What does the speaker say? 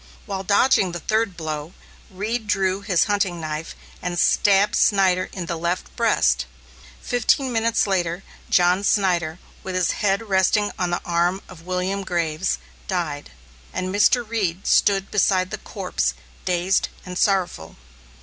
While dodging the third blow, Reed drew his hunting knife and stabbed Snyder in the left breast. Fifteen minutes later, John Snyder, with his head resting on the arm of William Graves, died, and Mr. Reed stood beside the corpse, dazed and sorrowful.